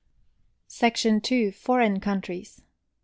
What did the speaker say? Section II. FOREIGN COUNTRIES.